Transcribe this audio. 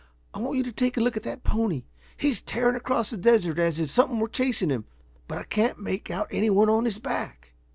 I want you to take a look at that pony. He's tearing across the desert as if something were chasing him. But I can't make out anyone on his back."